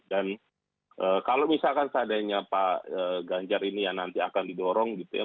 dan kalau misalkan seadanya pak ganjar ini yang nanti akan didorong gitu ya